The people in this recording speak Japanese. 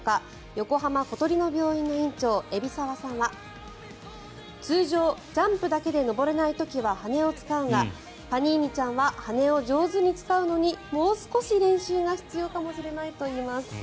横浜小鳥の病院の院長海老沢さんは通常ジャンプだけで上れない時は羽を使うがパニーニちゃんは羽を上手に使うのにもう少し練習が必要かもしれないといいます。